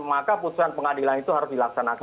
maka putusan pengadilan itu harus dilaksanakan